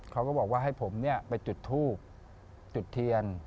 เขาก็บอกว่าให้ผมไปจุดทูบจุดเทียน